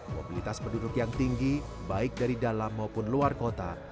mobilitas penduduk yang tinggi baik dari dalam maupun luar kota